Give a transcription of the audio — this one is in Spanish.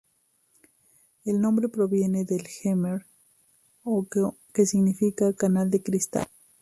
El nombre proviene del jemer អូរកែវ: "o keo", que significa ‘canal de cristal’.